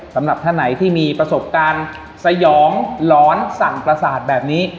สำหรับท่านไหนที่มีประสบการณ์สยองหลอนสั่นประสาทแบบนี้